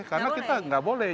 karena kita nggak boleh